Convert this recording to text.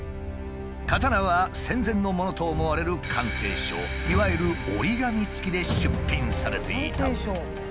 刀は戦前のものと思われる鑑定書いわゆる折り紙付きで出品されていた。